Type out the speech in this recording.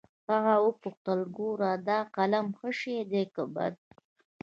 هغه وپوښتل ګوره دا قلم ښه شى ديه که بد.